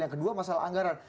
yang kedua masalah anggaran